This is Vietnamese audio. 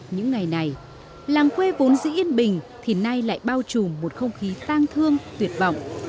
những ngày này làng quê vốn dĩ yên bình thì nay lại bao trùm một không khí tang thương tuyệt vọng